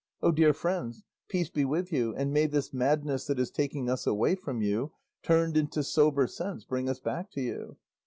O dear friends, peace be with you, and may this madness that is taking us away from you, turned into sober sense, bring us back to you."